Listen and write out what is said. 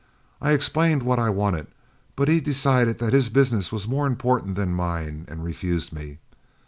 I explained what I wanted, but he decided that his business was more important than mine, and refused me.